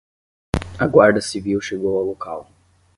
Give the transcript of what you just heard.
A Guarda Civil chegou ao local